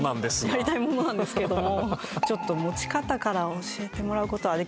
「やりたい者なんですけども」。